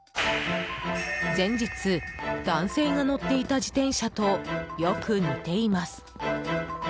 前日、男性が乗っていた自転車とよく似ています。